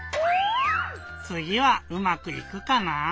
つぎはうまくいくかな？